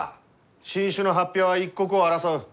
新種の発表は一刻を争う。